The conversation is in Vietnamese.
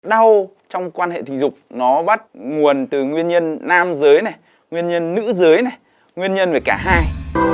đau trong quan hệ tình dục nó bắt nguồn từ nguyên nhân nam giới này nguyên nhân nữ giới này nguyên nhân về cả hai